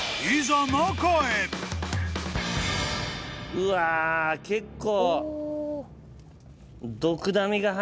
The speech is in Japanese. うわ結構。